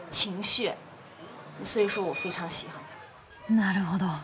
なるほど。